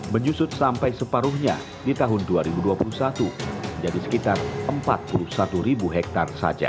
menyusut sampai separuhnya di tahun dua ribu dua puluh satu menjadi sekitar empat puluh satu ribu hektare saja